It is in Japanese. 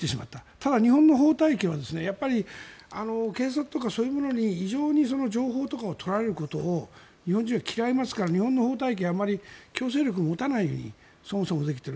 ただ、日本の法体系はやっぱり警察とかそういうものに非常に情報とかを取られることを日本人は嫌いますから日本の法体系はあまり強制力を持たないようにそもそも、できている。